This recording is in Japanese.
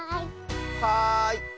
はい。